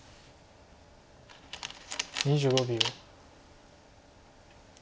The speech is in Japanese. ２５秒。